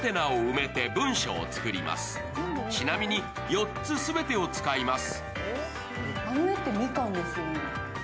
ちなみに、４つ全てを使います。